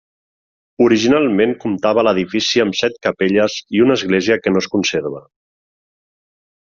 Originalment comptava l'edifici amb set capelles i una església que no es conserva.